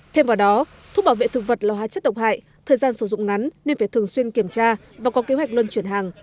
thêm vào đó thuốc bảo vệ thực vật là hóa chất độc hại thời gian sử dụng ngắn nên phải thường xuyên kiểm tra và có kế hoạch luân chuyển hàng